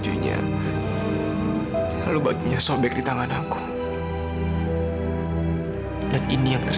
iya aku setuju untuk bantuin dokter